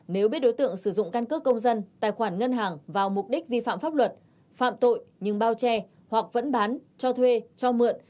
nếu biết đối tượng sử dụng căn cước công dân tài khoản ngân hàng vào mục đích vi phạm pháp luật phạm tội nhưng bao che hoặc vẫn bán cho thuê cho mượn